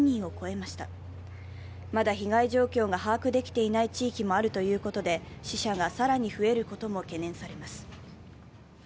まだ被害状況が把握できていない地域もあるということで死者が更に増えることも懸念されます。